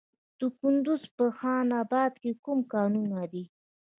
د کندز په خان اباد کې کوم کانونه دي؟